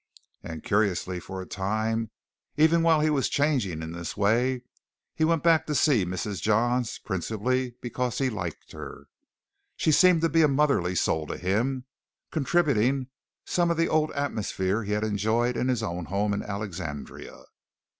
And curiously, for a time, even while he was changing in this way, he went back to see Mrs. Johns, principally because he liked her. She seemed to be a motherly soul to him, contributing some of the old atmosphere he had enjoyed in his own home in Alexandria.